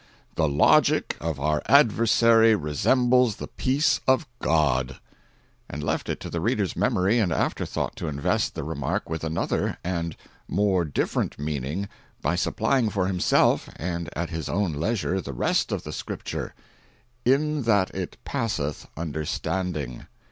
"THE LOGIC OF OUR ADVERSARY RESEMBLES THE PEACE OF GOD,"—and left it to the reader's memory and after thought to invest the remark with another and "more different" meaning by supplying for himself and at his own leisure the rest of the Scripture—"_in that it passeth understanding.